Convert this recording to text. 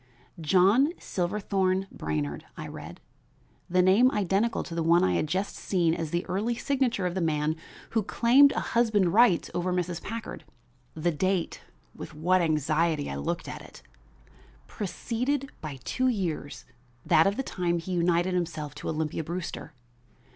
"John Silverthorn Brainard," I read, the name identical with the one I had just seen as the early signature of the man who claimed a husband's rights over Mrs. Packard. The date with what anxiety I looked at it! preceded by two years that of the time he united himself to Olympia Brewster.